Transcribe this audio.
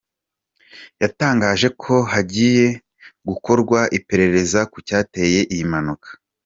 Yatangaje ko hagiye gukorwa iperereza ku cyateye iyi mpanuka.